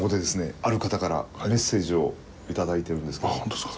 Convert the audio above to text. ある方からメッセージを頂いてるんですけど。